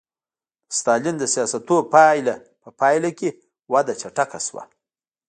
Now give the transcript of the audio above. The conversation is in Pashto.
د ستالین د سیاستونو په پایله کې وده چټکه شوه